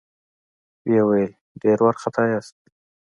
ويې ويل: ډېر وارخطا ياست؟